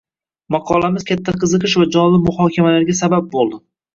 maqolamiz katta qiziqish va jonli muhokamalarga sabab bo‘ldi.